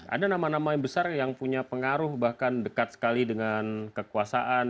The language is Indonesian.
ada nama nama yang besar yang punya pengaruh bahkan dekat sekali dengan kekuasaan